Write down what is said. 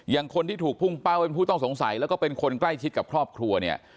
คนที่ถูกพุ่งเป้าเป็นผู้ต้องสงสัยแล้วก็เป็นคนใกล้ชิดกับครอบครัวเนี่ย